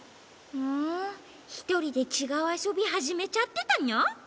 ふんひとりでちがうあそびはじめちゃってたの？